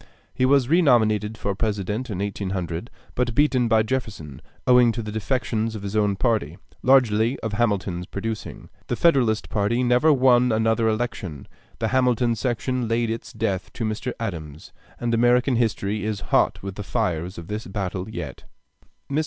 He was renominated for President in 1800, but beaten by Jefferson, owing to the defections in his own party, largely of Hamilton's producing. The Federalist party never won another election; the Hamilton section laid its death to Mr. Adams, and American history is hot with the fires of this battle even yet. Mr.